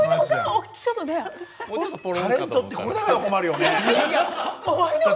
タレントってこれだから困るよね。